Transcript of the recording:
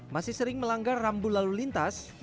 masih sering melanggar rambu lalu lintas